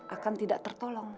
akan tidak tertolong